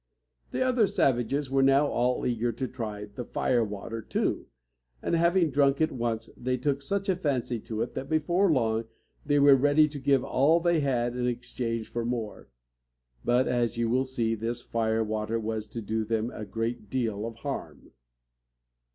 The other savages were now all eager to try the "fire water" too; and, having drunk it once, they took such a fancy to it that before long they were ready to give all they had in exchange for more. But, as you will see, this fire water was to do them a great deal of harm.